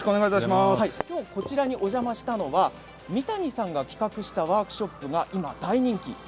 こちらにお邪魔したのは三谷さんが企画したワークショップが今大人気。